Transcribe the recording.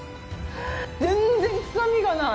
全然臭みがない。